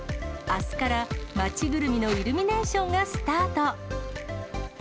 あすから町ぐるみのイルミネーションがスタート。